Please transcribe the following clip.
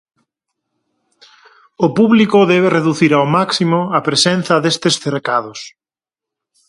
O público debe reducir ao máximo a presenza destes cercados.